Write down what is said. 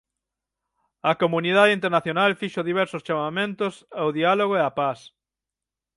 A comunidade internacional fixo diversos chamamento ao diálogo e á paz.